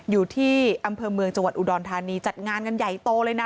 อยู่ที่อำเภอเมืองจังหวัดอุดรธานีจัดงานกันใหญ่โตเลยนะ